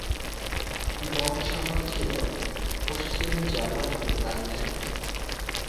বন শহর ছিল পশ্চিম জার্মানির রাজধানী।